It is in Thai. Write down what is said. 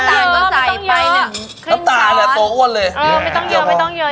เอาอีกข้าวข้าวไปเปรี้ยว